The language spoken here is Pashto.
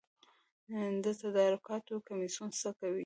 د تدارکاتو کمیسیون څه کوي؟